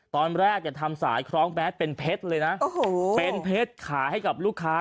ตอนแรกเนี่ยทำสายคล้องแบทเป็นเพชรเลยนะโอ้โหเป็นเพชรขายให้กับลูกค้า